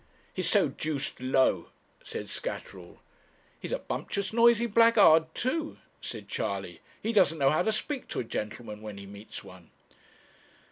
'He's so deuced low,' said Scatterall. 'He's a bumptious noisy blackguard too,' said Charley; 'he doesn't know how to speak to a gentleman, when he meets one.'